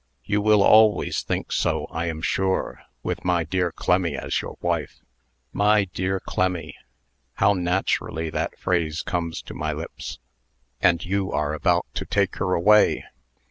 "You will always think so, I am sure, with my dear Clemmy as your wife. My dear Clemmy! How naturally that phrase comes to my lips. And you are about to take her away.